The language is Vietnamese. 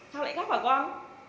sao lại khóc hả con